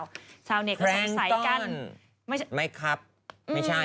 หรือเปล่าชาวเด็กก็ชอบใส่กั้นแพรงตอนไม่ใช่ไม่ครับไม่ใช่